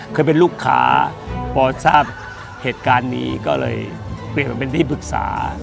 เคยเป็นลูกค้าพอทราบเหตุการณ์นี้ก็เลยเปลี่ยนมาเป็นที่ปรึกษา